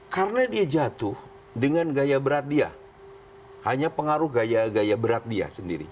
karena dia jatuh dengan gaya berat dia hanya pengaruh gaya gaya berat dia sendiri